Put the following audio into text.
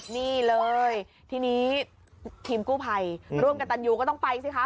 นี่เลยทีนี้ทีมกู้ภัยร่วมกับตันยูก็ต้องไปสิคะ